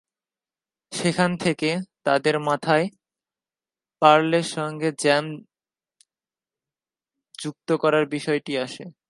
সেখান থেকে তাঁদের মাথায় পার্লের সঙ্গে জ্যাম যুক্ত করার বিষয়টি আসে।